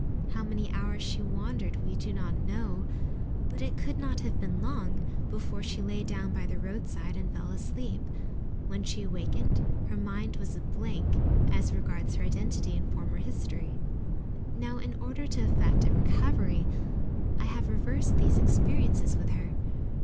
How many hours she wandered, we do not know, but it could not have been long before she lay down by the roadside and fell asleep. When she awakened her mind was a blank as regards her identity and former history. Now, in order to effect a recovery, I have reversed these experiences with her.